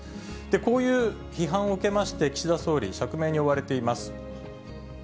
こういう批判を受けまして、岸田総理、釈明に追われています。